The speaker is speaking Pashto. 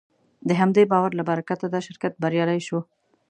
د همدې باور له برکته دا شرکت بریالی شو.